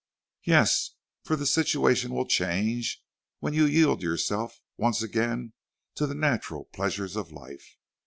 "Yes, for the situation will change when you yield yourself once again to the natural pleasures of life.